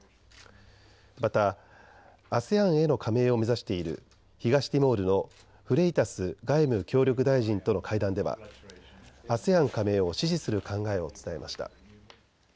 また、ＡＳＥＡＮへの加盟を目指している東ティモールのフレイタス外務・協力大臣との会談ではＡＳＥＡＮ加盟を支持する考えを伝えました。